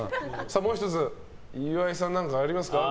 もう１つ、岩井さん何かありますか。